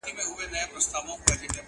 هم ملگری یې قاضي وو هم کوټوال وو.!